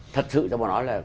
thật sự cho mà nói là